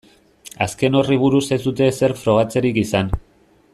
Azken horri buruz ez dute ezer frogatzerik izan.